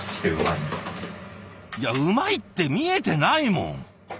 いや「うまい」って見えてないもん。